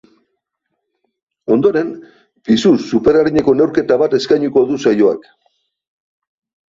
Ondoren, pisu superarineko neurketa bat eskainiko du saioak.